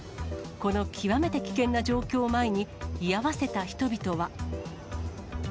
この極めて危険な状況を前に、居合わせた人々は。